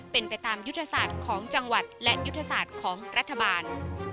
เป็นไปตามยุทธศาสตร์ของจังหวัดและยุทธศาสตร์ของรัฐบาล